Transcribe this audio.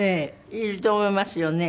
いると思いますよね。